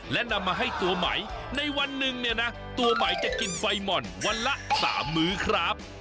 และนำมาให้ตัวใหม่ในวันหนึ่งเนี่ยนะตัวใหม่จะกินไฟหม่อนวันละ๓มื้อครับ